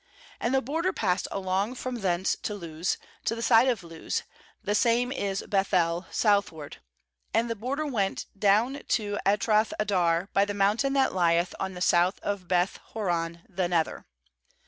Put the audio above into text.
13And the border passed along from thence to Luz, to the side of Luz — the same is Beth el — southward; and the bor der went down to Atroth addar, by the mountain that lieth on the south of Beth horon the nether.